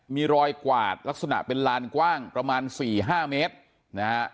มีรอยกวาดลักษณะเป็นลานกว้างประมาณ๔๕เมตรนะฮะ